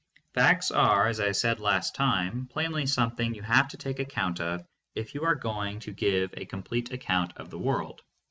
Facts are, as I said last time, plainly something you have to take account of if you are going to give a complete account of the world.